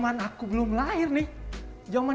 jadi kita harus memiliki kekuatan yang baik